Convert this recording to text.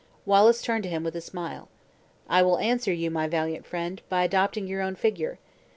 Wallace turned to him with a smile: "I will answer you, my valiant friend, by adopting your own figure.